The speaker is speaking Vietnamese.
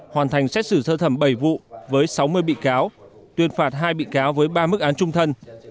hoàn thành xét xử sơ thẩm bảy vụ với sáu mươi bị cáo tuyên phạt hai bị cáo với ba mức án trung thân